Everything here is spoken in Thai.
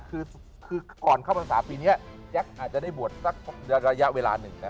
คือคือก่อนเข้ามาสาปีเนี่ยแจ็คจะได้บวชสักระยะเวลาหนึ่งนะ